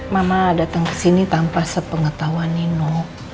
mama dateng kesini tanpa sepengetahuan nino